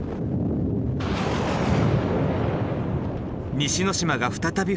西之島が再び噴火。